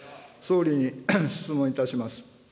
総理に質問いたします。